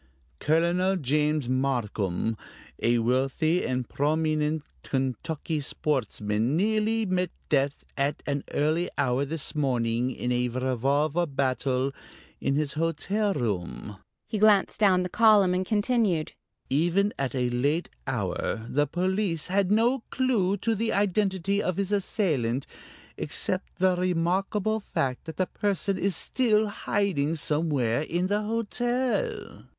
Colonel James Marcum, a wealthy and prominent Kentucky sportsman, nearly met death at an early hour this morning in a revolver battle in his hotel room...'" He glanced down the column and continued: "'Even at a late hour the police had no clew to the identity of his assailant, except the remarkable fact that the person is still hiding somewhere in the hotel...'"